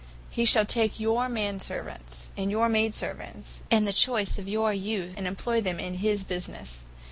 He shall take your man servants, and your maid servants, and the choice of your youth, and employ them in his businesse.